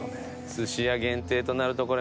寿司屋限定となるとこれ。